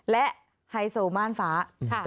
เละให้ไฮโซบ้างฟ้า